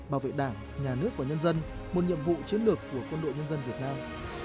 bảo vệ đảng nhà nước và nhân dân một nhiệm vụ chiến lược của quân đội nhân dân việt nam